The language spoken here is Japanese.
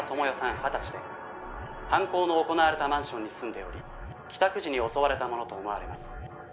２０歳で犯行の行われたマンションに住んでおり帰宅時に襲われたものと思われます」